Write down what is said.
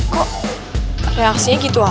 kok reaksinya gitu aja sih